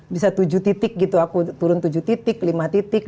bisa tujuh titik gitu aku turun tujuh titik lima titik